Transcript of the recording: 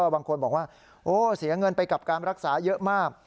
บางคนบอกว่าโอ้เสียเงินไปกับการรักษาเยอะมาก